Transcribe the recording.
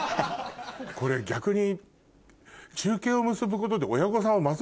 これ逆に。